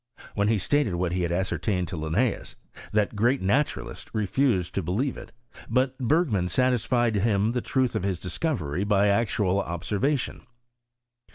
When lie stated what be had ascertained to Linncens, that ^at naturalist refused to believe it ; but Bergman satisfied him of the truth of his discovery by actual observation.